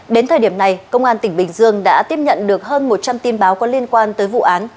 đến thời điểm này công an tỉnh bình dương đã tiếp nhận được hơn một trăm linh tin báo có liên quan tới vụ án